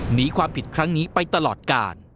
หนีความผิดครั้งนี้ไปตลอดกาล